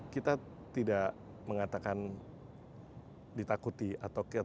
kita tidak mengatakan ditakuti atau